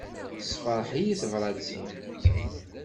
Tessefṛeḥ-iyi tebrat-im.